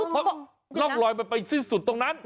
เพราะร่องรอยมันไปสิ้นสุดตรงนั้น